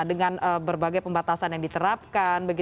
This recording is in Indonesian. dengan berbagai pembatasan yang diterapkan